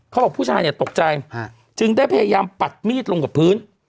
ผู้ชายเนี่ยตกใจจึงได้พยายามปัดมีดลงกับพื้น